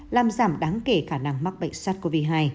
làm giảm đáng kể khả năng mắc bệnh sars cov hai